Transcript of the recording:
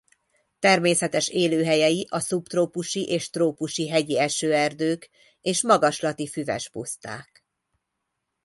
Természetes élőhelyei a szubtrópusi és trópusi hegyi esőerdők és magaslati füves puszták.